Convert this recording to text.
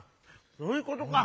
そういうことか！